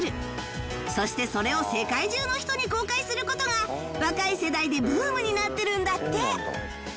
そしてそれを世界中の人に公開する事が若い世代でブームになってるんだって